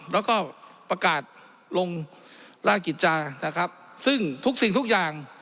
แล้วก็ประกาศลงราชกิจจานะครับซึ่งทุกสิ่งทุกอย่าง